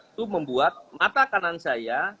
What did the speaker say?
itu membuat mata kanan saya